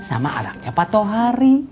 sama anaknya patuh hari